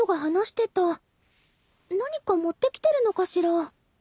何か持ってきてるのかしら。